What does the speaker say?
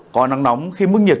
có nắng nóng khi mức nhiệt